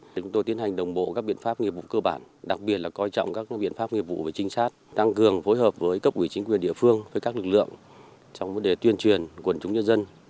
thì chúng tôi tiến hành đồng bộ các biện pháp nghiệp vụ cơ bản đặc biệt là coi trọng các biện pháp nghiệp vụ về trinh sát tăng cường phối hợp với cấp ủy chính quyền địa phương với các lực lượng trong vấn đề tuyên truyền quần chúng nhân dân